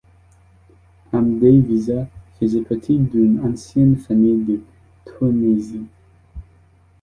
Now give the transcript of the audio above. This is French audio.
Amedée Visart faisait partie d'une ancienne famille du Tournaisis.